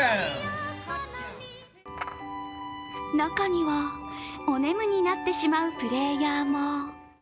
中には、おねむになってしまうプレーヤーも。